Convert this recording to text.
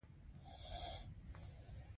انا د صبر سمبول ده